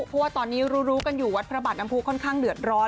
เพราะว่าตอนนี้รู้กันอยู่วัดพระบาทน้ำผู้ค่อนข้างเดือดร้อน